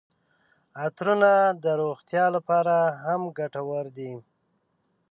عطرونه د روغتیا لپاره هم ګټور دي.